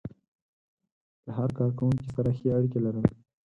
له هر کار کوونکي سره ښې اړيکې لرل.